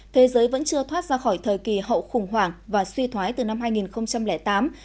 thế giới vẫn chưa thoát ra khỏi thời kỳ hậu khủng hoảng và suy thoái từ năm hai nghìn tám